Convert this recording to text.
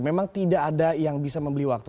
memang tidak ada yang bisa membeli waktu